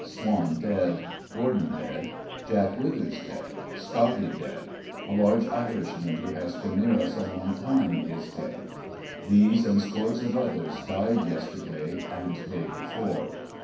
Swan dead, Gordon dead. Jack Withers dead, Scotty dead, a large Irishman who has been near us a long time is dead. These and scores of others died yesterday and day before.